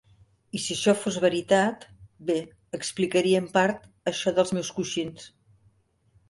I si això fos veritat, bé, explicaria en part això dels meus coixins.